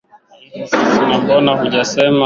na mbona hujasema